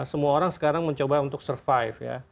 semua orang sekarang mencoba untuk survive ya